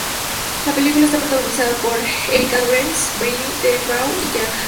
La película está protagonizada por Erica Durance, Brienne De Beau y Jack Hartnett.